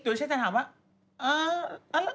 หรือใช่แต่ถามว่า